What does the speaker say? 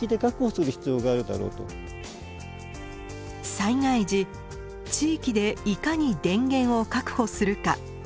災害時地域でいかに電源を確保するか。